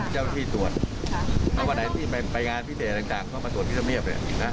เจ้าที่ตรวจในวันไหนไปงานพิเศษต่างก็มาตรวจพิศมีภ